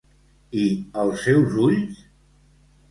I els seus ulls?